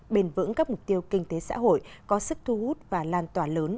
bền vững các mục tiêu kinh tế xã hội có sức thu hút và lan tỏa lớn